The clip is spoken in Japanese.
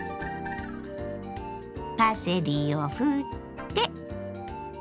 パセリをふって。